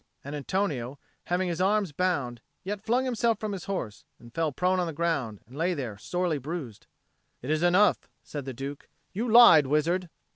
And Antonio, having his arms bound, yet flung himself from his horse, and fell prone on the ground, and lay there sorely bruised. "It is enough," said the Duke. "You lied, wizard."